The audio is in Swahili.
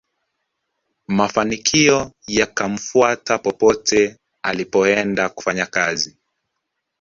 mafanikio yakamfuata popote alipoenda kufanya kazi